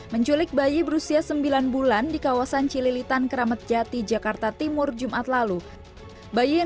menculik bayi berusia sembilan bulan di kawasan cililitan keramat jati jakarta timur jumat lalu bayi yang